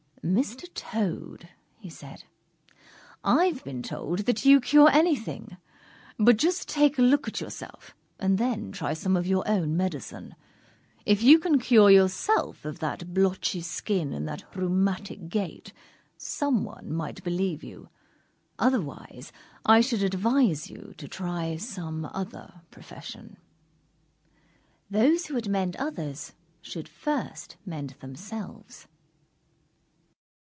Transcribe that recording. "Mr. Toad," he said, "I've been told that you cure anything! But just take a look at yourself, and then try some of your own medicine. If you can cure yourself of that blotchy skin and that rheumatic gait, someone might believe you. Otherwise, I should advise you to try some other profession." _Those who would mend others, should first mend themselves.